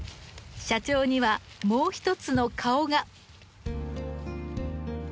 社長にはもう一つの顔が。